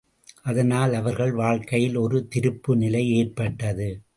அதனால் அவர்கள் வாழ்க்கையில் ஒரு திருப்பு நிலை ஏற்பட்டது.